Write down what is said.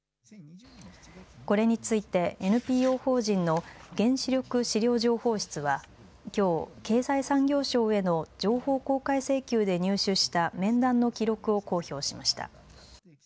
これについてＮＰＯ法人の原子力資料情報室はきょう経済産業省への情報公開請求で入手した面談の記録を公表しました。